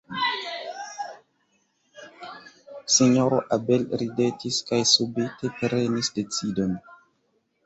Sinjoro Abel ridetis, kaj subite prenis decidon.